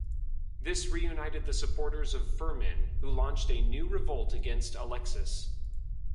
This reunited the supporters of Firmin, who launched a new revolt against Alexis.